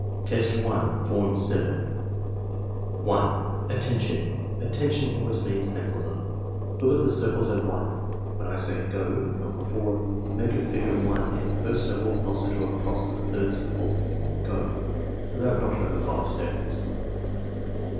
Test 1, Form 7 1. "Attention! 'Attention' always means 'Pencils up.' Look at the circles at 1. When I say 'go' but not before, make a figure 1 in the first circle and also a cross in the third circle. — Go!" (Allow not over 5 seconds.)